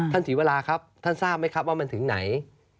ศรีวราครับท่านทราบไหมครับว่ามันถึงไหน